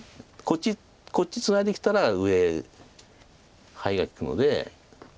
こっちツナいできたら上へハイが利くので。